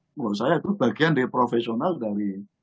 menurut saya itu bagian dari profesional dari